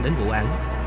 đến vụ án